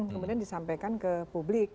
kemudian disampaikan ke publik